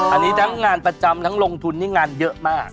อันนี้ทั้งงานประจำทั้งลงทุนนี่งานเยอะมาก